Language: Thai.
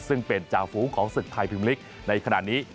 ซึ่งเป็นจ่าฝูงของศึกไทยพิมพลิกในขณะนี้